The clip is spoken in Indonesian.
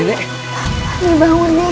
nenek bangun nih